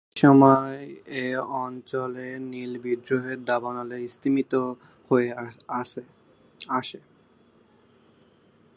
এসময় এ অঞ্চলে নীল বিদ্রোহের দাবানল স্তিমিত হয়ে আসে।